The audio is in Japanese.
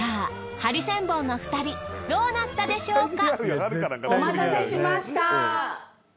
ハリセンボンの２人どうなったでしょうか？